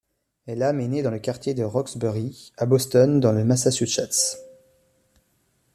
Elam est né dans le quartier de Roxbury, à Boston, dans le Massachusetts.